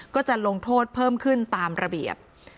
ก็จะลงโทษเพิ่มขึ้นตามระเบียบ